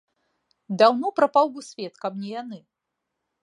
Даўно прапаў бы свет, каб не яны.